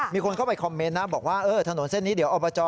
มีคนเข้าไปคอมเมนต์นะบอกว่าเออถนนเส้นนี้เดี๋ยวอบจ